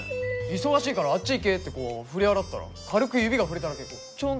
忙しいからあっち行けってこう振り払ったら軽く指が触れただけでこうちょんちょんって。